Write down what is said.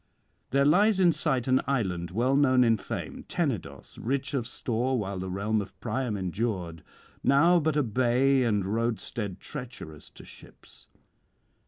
'There lies in sight an island well known in fame, Tenedos, rich of store while the realm of Priam endured, [23 55]now but a bay and roadstead treacherous to ships.